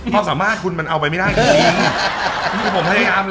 เมื่อสมาธิคุณมันเอาไปไม่ได้จริง